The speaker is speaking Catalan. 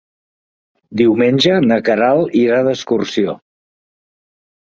Diumenge na Queralt irà d'excursió.